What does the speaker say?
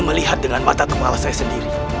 melihat dengan mata kepala saya sendiri